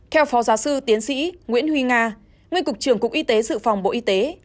theo phó giáo sư tiến sĩ nguyễn huy nga nguyên cục trưởng cục y tế dự phòng bộ y tế